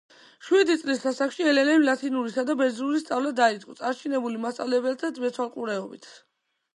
შვიდი წლის ასაკში ელენამ ლათინურისა და ბერძნული სწავლა დაიწყო წარჩინებულ მასწავლებელთა მეთვალყურეობით.